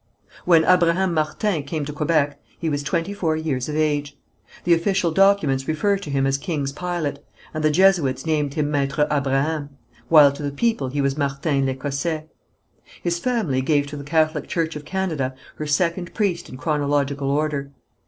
When Abraham Martin came to Quebec, he was twenty four years of age. The official documents refer to him as king's pilot, and the Jesuits named him Maître Abraham, while to the people he was Martin l'Ecossais. His family gave to the Catholic Church of Canada her second priest in chronological order.